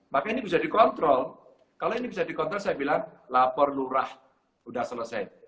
maka ini bisa dikontrol kalau ini bisa dikontrol saya bilang lapor lurah sudah selesai